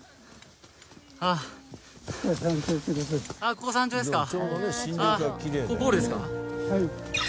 ここ山頂ですか？